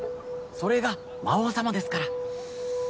それが魔王様ですから。